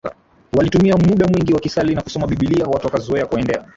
Walitumia muda mwingi wakisali na kusoma Biblia Watu wakazoea kuwaendea